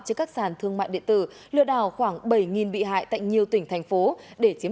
cho các sàn thương mại điện tử lừa đảo khoảng bảy bị hại tại nhiều tỉnh thành phố để chiếm